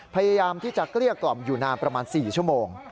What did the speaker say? พยายามที่จะเกลี้ยกล่อมอยู่นานประมาณ๔ชั่วโมง